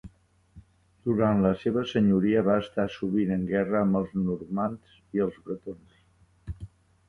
Durant la seva senyoria, va estar sovint en guerra amb els normands i els bretons.